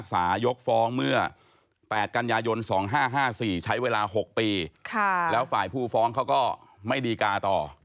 แต่กัญญาโยน๒๕๕๔ใช้เวลา๖ปีแล้วฝ่ายผู้ฟ้องเขาก็ไม่ดีกาต่อ